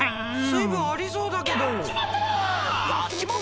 水分ありそうだけど。